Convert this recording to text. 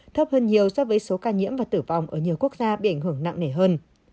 thấp hơn nhiều so với số ca nhiễm và tử vong ở nhiều quốc gia bị ảnh hưởng nặng nề hơn